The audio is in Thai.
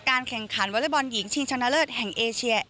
แข่งขันวอเล็กบอลหญิงชิงชนะเลิศแห่งเอเชีย